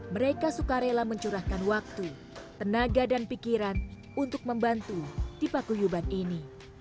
mereka suka rela mencurahkan waktu tenaga dan pikiran untuk membantu di paguyuban ini